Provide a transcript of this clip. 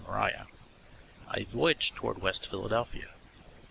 Moriah" I voyaged toward West Philadelphia.